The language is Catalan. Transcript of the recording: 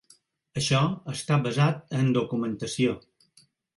Això està basat amb documentació.